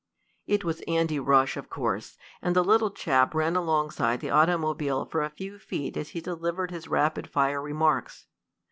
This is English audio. It was Andy Rush, of course, and the little chap ran alongside the automobile for a few feet as he delivered his rapid fire remarks.